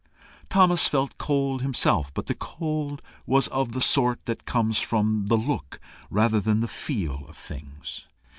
Thomas felt cold himself, but the cold was of the sort that comes from the look rather than the feel of things.